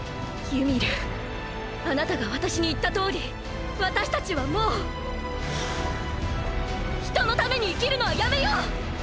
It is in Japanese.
ユミルあなたが私に言ったとおり私たちはもう人のために生きるのはやめよう！！